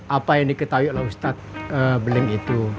apa yang diketahui oleh ustadz beling itu